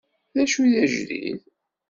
Dacu i d ajdid?